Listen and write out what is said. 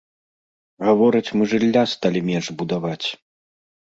Гавораць, мы жылля сталі менш будаваць.